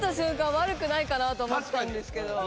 悪くないかなと思ったんですけど。